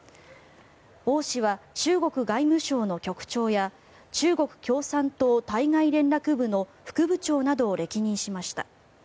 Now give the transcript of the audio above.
オウ氏は中国外務省の局長や中国共産党対外連絡部の副部長などを歴任しました。